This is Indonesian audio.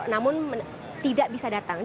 namun tidak bisa datang